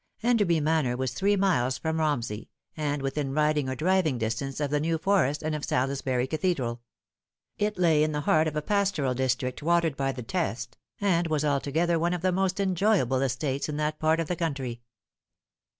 Enderby Manor was three miles from Romsey, and within riding or driving distance of the New Forest and of Salisbury Cathedral. It lay in the heart of a pastoral district watered by the Test, and was altogether one of the most enjoyable estates in that part of the country.